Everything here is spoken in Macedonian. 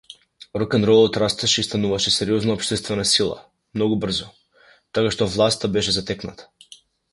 Рокенролот растеше и стануваше сериозна општествена сила многу брзо, така што власта беше затекната.